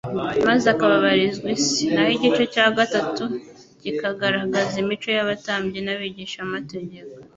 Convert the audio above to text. maze akababarizwa isi; naho igice cya gatatu kikagaragaza imico y'abatambyi n'abigishamategeko.